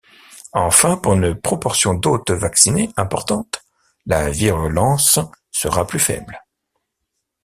Enfin, pour une proportion d’hôtes vaccinés importante, la virulence sera plus faible.